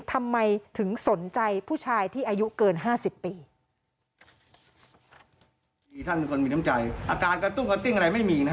ทำไมถึงสนใจผู้ชายที่อายุเกิน๕๐ปี